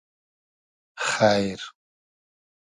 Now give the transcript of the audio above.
خݷر